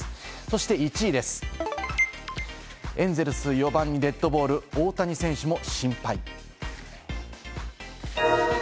そして１位です、エンゼルス４番デッドボール、大谷選手も心配。